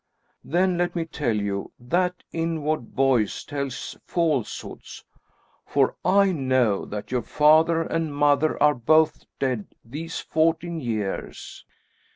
"Then let me tell you that inward voice tells falsehoods, for I know that your father and mother are both dead these fourteen years!"